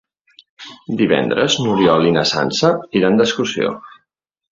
Divendres n'Oriol i na Sança iran d'excursió.